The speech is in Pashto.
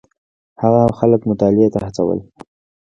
هغه خلک مطالعې ته هڅول.